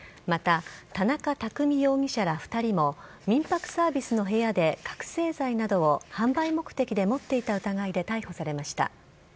また田中拓海容疑者ら２人も、民泊サービスの部屋で覚醒剤などを販売目的で持っていた疑いで逮捕されました。